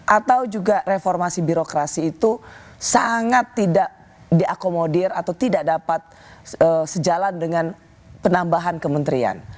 atau juga reformasi birokrasi itu sangat tidak diakomodir atau tidak dapat sejalan dengan penambahan kementerian